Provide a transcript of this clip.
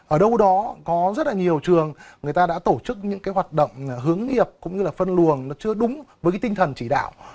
ở đâu đó có rất là nhiều trường người ta đã tổ chức những hoạt động hướng nghiệp cũng như là phân luồng chưa đúng với cái tinh thần chỉ đạo